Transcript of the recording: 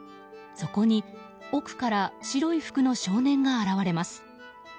そこに、奥から白い服の少年が現れます。